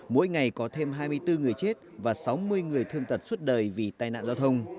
mỗi ngày có thêm hai mươi bốn người chết và sáu mươi người thương tật suốt đời vì tai nạn giao thông